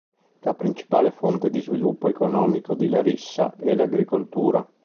La principale fonte di sviluppo economico di Larissa è l'agricoltura.